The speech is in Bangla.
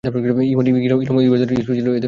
ইলম ও ইবাদতে ইবলীস ছিল এদের সকলের সেরা।